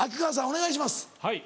お願いします。